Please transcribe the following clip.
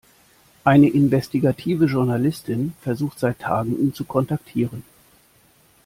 Eine investigative Journalistin versucht seit Tagen, ihn zu kontaktieren.